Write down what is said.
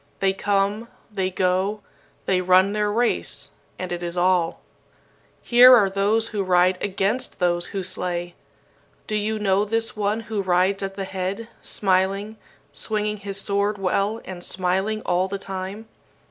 They come, they go; they run their race, and it is all. "Here are those who ride against those who slay. Do you know this one who rides at the head, smiling, swinging his sword well and smiling all the time?